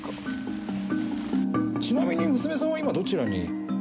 ちなみに娘さんは今どちらに？